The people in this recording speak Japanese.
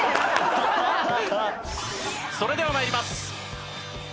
それでは参ります。